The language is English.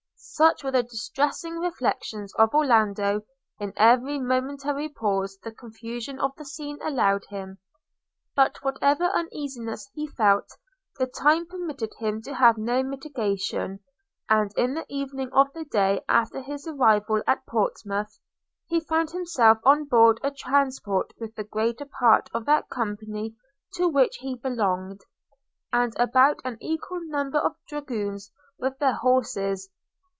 Such were the distressing reflections of Orlando in every momentary pause the confusion of the scene allowed him. But whatever uneasiness he felt, the time permitted him to have no mitigation; and, in the evening of the day after his arrival at Portsmouth, he found himself on board a transport with the greater part of that company to which he belonged, and about an equal number of dragoons with their horses.